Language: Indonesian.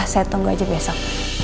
saya tunggu aja besok